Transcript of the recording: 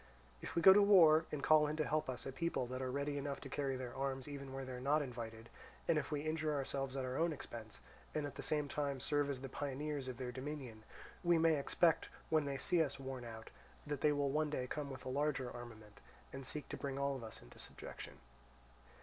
If we go to war, and call in to help us a people that are ready enough to carry their arms even where they are not invited; and if we injure ourselves at our own expense, and at the same time serve as the pioneers of their dominion, we may expect, when they see us worn out, that they will one day come with a larger armament, and seek to bring all of us into subjection.